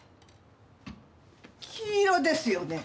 黄色ですよね？